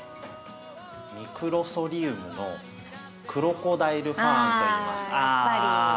ミクロソリウムのクロコダイルファーンといいます。